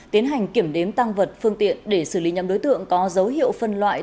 tiến hành kiểm đếm tăng vật phương tiện để xử lý nhầm đối tượng có dấu hiệu phân loại